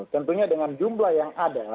tentunya dengan jumlah yang ada